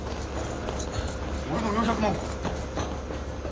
俺の４００万は！？